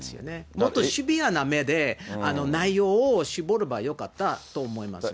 もっとシビアな目で、内容を絞ればよかったと思いますね。